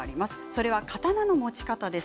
それは刀の持ち方です。